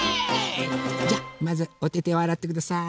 じゃまずおててをあらってください。